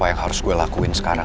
apa yang harus gue lakuin sekarang